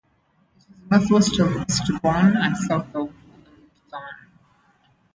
It is northwest of Eastbourne and south of Wilmington.